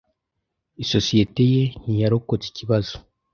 Isosiyete ye ntiyarokotse ikibazo.